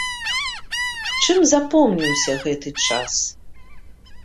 Чым запомніўся гэты час?